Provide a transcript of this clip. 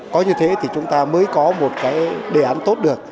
có như thế thì chúng ta mới có một cái đề án tốt được